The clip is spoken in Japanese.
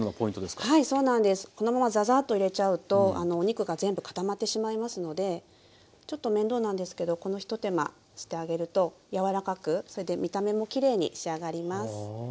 このままザザーッと入れちゃうとお肉が全部固まってしまいますのでちょっと面倒なんですけどこの一手間してあげると柔らかくそれで見た目もきれいに仕上がります。